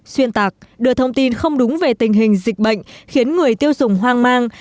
xuyên tạc đưa thông tin không đúng về tình hình dịch bệnh khiến người tiêu dùng hoang mang